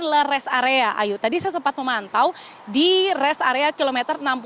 adalah rest area ayo tadi saya sempat memantau di rest area km enam puluh dua